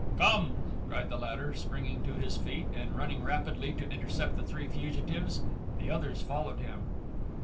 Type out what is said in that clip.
"Come!" cried the latter, springing to his feet and running rapidly to intercept the three fugitives. The others followed him.